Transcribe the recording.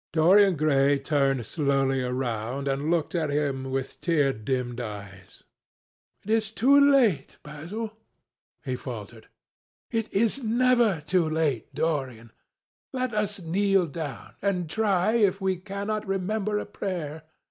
Dorian Gray turned slowly around and looked at him with tear dimmed eyes. "It is too late, Basil," he faltered. "It is never too late, Dorian. Let us kneel down and try if we cannot remember a prayer.